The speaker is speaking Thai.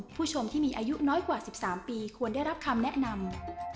ผู้ชมที่มีอายุน้อยกว่า๑๓ปีควรได้รับคำแนะนำ